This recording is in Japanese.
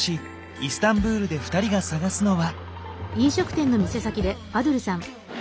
イスタンブールで２人が探すのは？